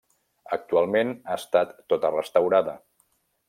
Actualment ha estat tota restaurada.